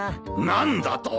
何だと！？